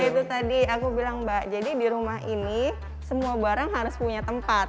ya itu tadi aku bilang mbak jadi di rumah ini semua barang harus punya tempat